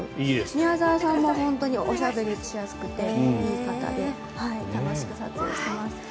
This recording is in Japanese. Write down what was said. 宮澤さんもおしゃべりしやすくていい方で楽しく撮影しています。